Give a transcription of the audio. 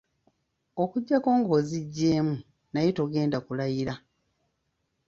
Okuggyako ng’oziggyeemu naye togenda kulayira.